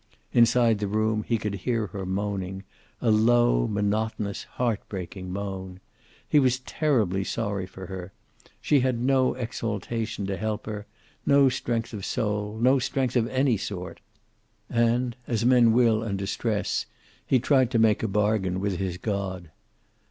Inside the room he could hear her moaning, a low, monotonous, heart breaking moan. He was terribly sorry for her. She had no exaltation to help her, no strength of soul, no strength of any sort. And, as men will under stress, he tried to make a bargain with his God.